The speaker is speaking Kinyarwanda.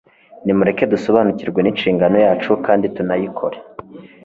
nimureke dusobanukirwe n'inshingano yacu, kandi tunayikore